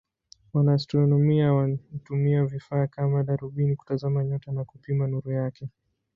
Wanaastronomia wanatumia vifaa kama darubini kutazama nyota na kupima nuru yake.